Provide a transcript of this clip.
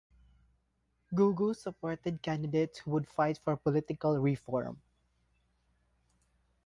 Goo-goos supported candidates who would fight for political reform.